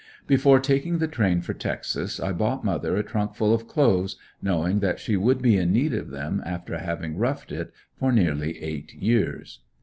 Before taking the train for Texas I bought mother a trunk full of clothes, knowing that she would be in need of them after having "roughed it" for nearly eight years.